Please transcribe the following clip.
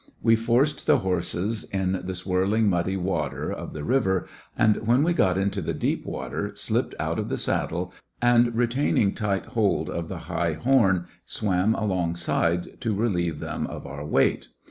We forced the horses in the swirling^ muddy water of the river, andj when we got into the deep water, slipped out of the saddle^ and retaining tight hold of the high horn, swam alongside to relieve them of our weight.